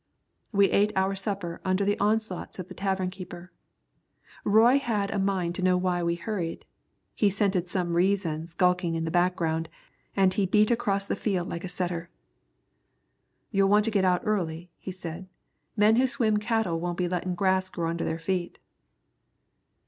We ate our supper under the onslaughts of the tavern keeper. Roy had a mind to know why we hurried. He scented some reason skulking in the background, and he beat across the field like a setter. "You'll want to get out early," he said. "Men who swim cattle won't be lettin' grass grow under their feet."